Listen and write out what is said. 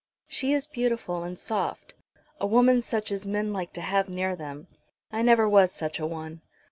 She is beautiful and soft, a woman such as men like to have near them. I never was such a one.